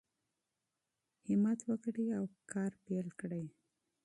همت وکړئ او کار پیل کړئ.